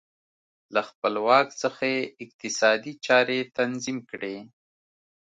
له خپل واک څخه یې اقتصادي چارې تنظیم کړې